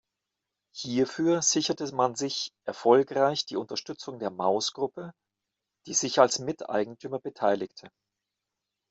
Hierfür sicherte man sich erfolgreich die Unterstützung der Maus-Gruppe, die sich als Miteigentümer beteiligte.